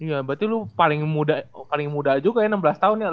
iya berarti lu paling muda paling muda juga ya enam belas tahun ya